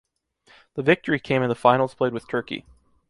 The victory came in the finals played with Turkey.